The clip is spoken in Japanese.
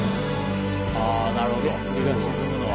あぁなるほど日が沈むのは。